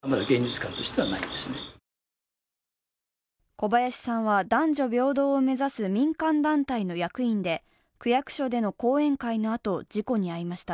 小林さんは男女平等を目指す民間団体の役員で、区役所での講演会のあと事故に遭いました。